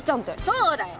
そうだよ。